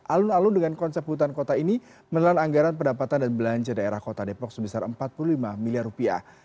alun alun dengan konsep hutan kota ini menelan anggaran pendapatan dan belanja daerah kota depok sebesar empat puluh lima miliar rupiah